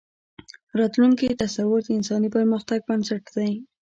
د راتلونکي تصور د انساني پرمختګ بنسټ دی.